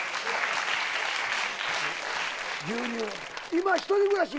今１人暮らし？